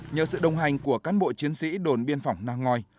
nhờ sự đồng hành của cán bộ chiến sĩ đồn biên phòng nang ngòi